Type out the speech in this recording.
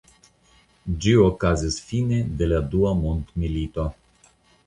Ĝi okazis fine de la dua mondmilito.